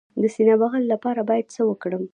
د سینه بغل لپاره باید څه وکړم؟